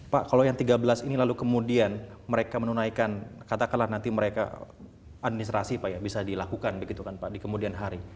pak kalau yang tiga belas ini lalu kemudian mereka menunaikan katakanlah nanti mereka administrasi pak ya bisa dilakukan begitu kan pak di kemudian hari